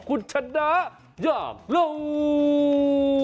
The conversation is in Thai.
คุณชะดะยากลง